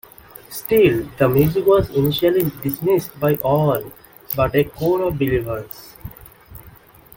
Still, the music was initially dismissed by all but a core of believers.